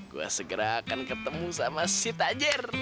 gue segera akan ketemu sama si tajr